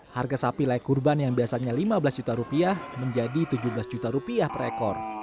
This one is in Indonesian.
harga sapi layak kurban yang biasanya lima belas juta rupiah menjadi tujuh belas juta rupiah per ekor